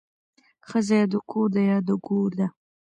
ښځه يا د کور ده يا د ګور ده